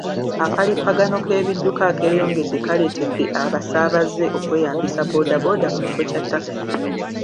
Akalippagano k'ebidduka akeyongedde kaleetedde abasaabaze okweyambisa boodabooda mu kifo kya takisi.